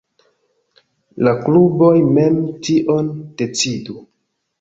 La kluboj mem tion decidu.